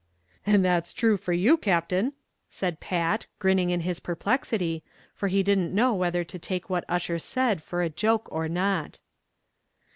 "And that's thrue for you, Captain," said Pat, grinning in his perplexity, for he didn't know whether to take what Ussher said for a joke or not.